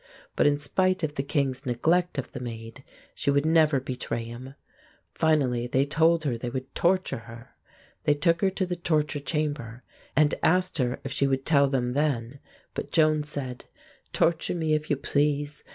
But in spite of the king's neglect of the Maid, she would never betray him. Finally they told her they would torture her. They took her to the torture chamber and asked her if she would tell them then. But Joan said: "Torture me if you please.